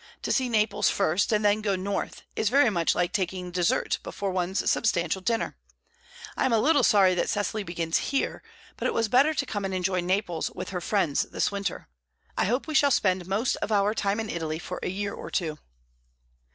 To see Naples first, and then go north, is very much like taking dessert before one's substantial dinner. I'm a little sorry that Cecily begins here; but it was better to come and enjoy Naples with her friends this winter. I hope we shall spend most of our time in Italy for a year or two."